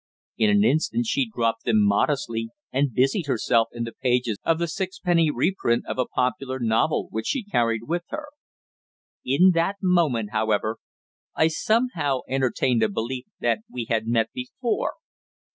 In an instant she dropped them modestly and busied herself in the pages of the sixpenny reprint of a popular novel which she carried with her. In that moment, however, I somehow entertained a belief that we had met before.